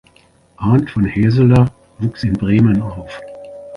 Arndt von Haeseler wuchs in Bremen auf.